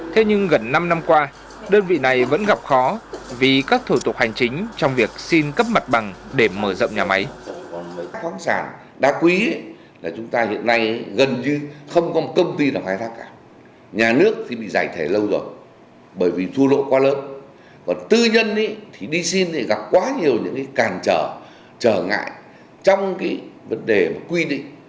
thế nhưng gần năm năm qua đơn vị này vẫn gặp khó vì các thủ tục hành chính trong việc xin cấp mặt bằng để mở rộng nhà máy